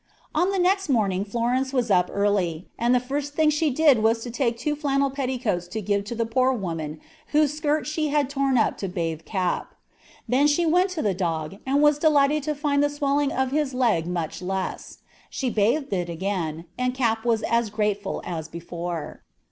"On the next morning Florence was up early, and the first thing she did was to take two flannel petticoats to give to the poor woman whose skirt she had torn up to bathe Cap. Then she went to the dog, and was delighted to find the swelling of his leg much less. She bathed it again, and Cap was as grateful as before.